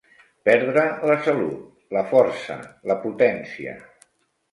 Perdre la salut, la força, la potència.